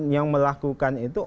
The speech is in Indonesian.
yang melakukan itu